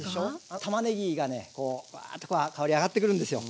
あのたまねぎがねふわっとこう香り上がってくるんですよ。